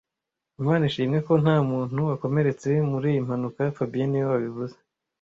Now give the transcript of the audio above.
Imana ishimwe ko ntamuntu wakomeretse muriyi mpanuka fabien niwe wabivuze